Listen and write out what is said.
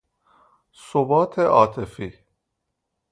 ثبات عاطفی